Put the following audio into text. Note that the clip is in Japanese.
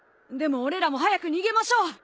でも俺らも早く逃げましょう。